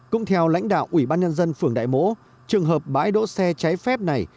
cũng theo lãnh đạo ủy ban nhân dân phường đại mỗ trường hợp bãi đỗ xe cháy phép này